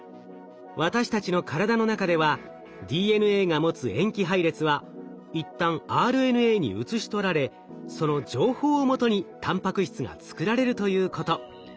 私たちの体の中ではＤＮＡが持つ塩基配列は一旦ＲＮＡに写し取られその情報をもとにたんぱく質が作られるということ。